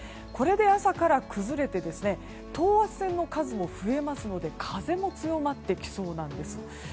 これで朝から崩れて等圧線の数も増えますので風も強まってきそうなんです。